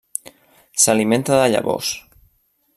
S'alimenta de llavors.